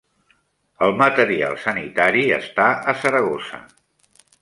El material sanitari està a Saragossa